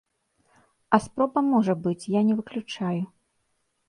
А спроба можа быць, я не выключаю.